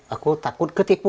aku takut ketipu